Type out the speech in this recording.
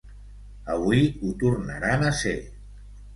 Avui ho tornaran a ser.